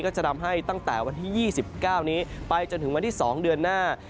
จะทำให้ตั้งแต่วันที่๒๙นี้ไปจนถึงวันที่๒เดือนหน้า